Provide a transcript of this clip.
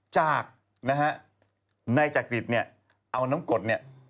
จากนะฮะนายจักริตเนี่ยเอาน้ำกดเนี่ย